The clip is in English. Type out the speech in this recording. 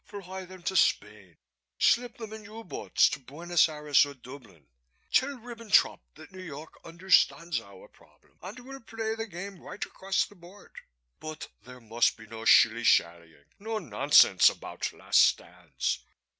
Fly them to Spain, slip them in U boats to Buenos Aires or Dublin. Tell Ribbentrop that New York understands our problem and will play the game right across the board, but there must be no shilly shallying, no nonsense about 'last stands.'